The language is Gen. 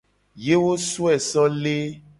Ye wo soe so le.